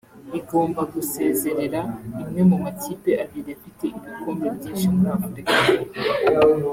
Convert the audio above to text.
igomba gusezerera imwe mu makipe abiri afite ibikombe byinshi muri Afurika